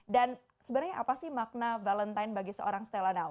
dan sebenarnya apa sih makna valentine's bagi seorang stella now